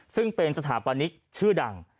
ซึ่งเป็นสถาปนิกชื่อดัง